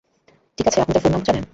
Tick আছে, আপনি তার ফোন নম্বর জানেন?